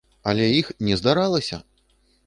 Але іх не здаралася!